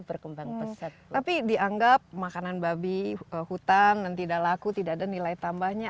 berkembang pesat tapi dianggap makanan babi hutan dan tidak laku tidak ada nilai tambahnya